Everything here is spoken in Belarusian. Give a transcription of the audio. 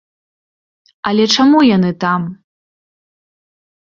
Але чаму яны там?